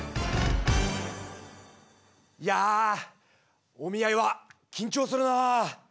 いやお見合いは緊張するなあ。